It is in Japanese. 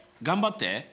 頑張って！